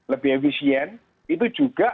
lebih efisien itu juga